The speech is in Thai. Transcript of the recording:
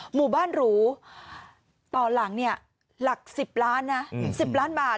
หมู่บ้านหรูต่อหลังเนี่ยหลัก๑๐ล้านนะ๑๐ล้านบาท